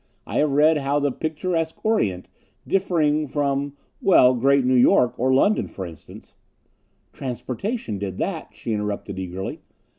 I have read how the picturesque Orient, differing from well, Great New York, or London, for instance " "Transportation did that," she interrupted eagerly.